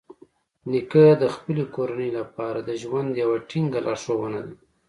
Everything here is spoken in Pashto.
نیکه د خپلې کورنۍ لپاره د ژوند یوه ټینګه لارښونه ده.